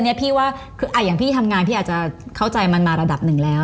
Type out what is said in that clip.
พี่ว่าคืออย่างพี่ทำงานพี่อาจจะเข้าใจมันมาระดับหนึ่งแล้ว